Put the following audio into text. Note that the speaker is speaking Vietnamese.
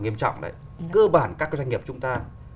nghiêm trọng này cơ bản các doanh nghiệp chúng ta